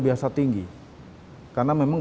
biasa tinggi karena memang